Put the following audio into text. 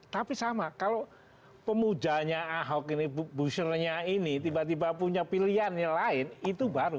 tapi sama kalau pemuja nya ahok ini busur nya ini tiba tiba punya pilihan yang lain itu baru